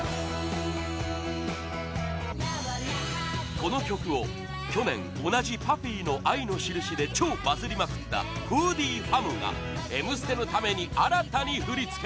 この曲を、去年同じ ＰＵＦＦＹ の「愛のしるし」で超バズりまくった Ｈｏｏｄｉｅｆａｍ が「Ｍ ステ」のために新たに振り付け